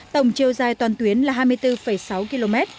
tổng chiều dài toàn tuyến là hai mươi bốn sáu km